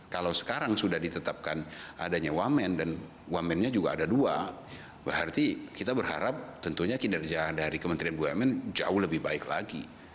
kalau sekarang sudah ditetapkan adanya wamen dan wamennya juga ada dua berarti kita berharap tentunya kinerja dari kementerian bumn jauh lebih baik lagi